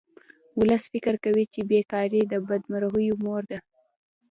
ولس فکر کوي چې بې کاري د بدمرغیو مور ده